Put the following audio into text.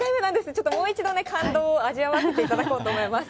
ちょっともう一度ね、感動を味わわせていただこうと思います。